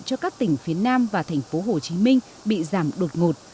cho các tỉnh phía nam và thành phố hồ chí minh bị giảm đột ngột